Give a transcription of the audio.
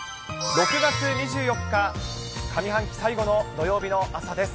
６月２４日、上半期最後の土曜日の朝です。